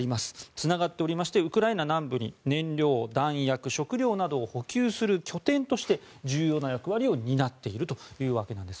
つながっておりましてウクライナ南部に燃料、弾薬食料などを補給する拠点として重要な役割を担っているというわけなんです。